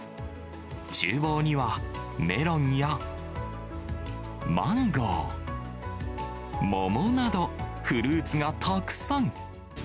ちゅう房には、メロンやマンゴー、桃など、フルーツがたくさん。